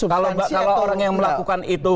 kalau orang yang melakukan itu